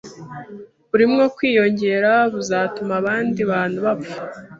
burimo kwiyongera buzatuma abandi bantu bapfa.